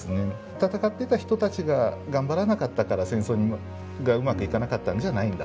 戦っていた人たちが頑張らなかったから戦争がうまくいかなかったんじゃないんだと。